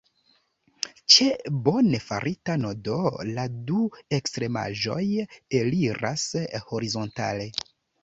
Ĉe bone farita nodo la du ekstremaĵoj eliras horizontale.